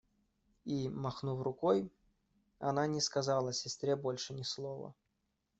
И, махнув рукой, она не сказала сестре больше ни слова.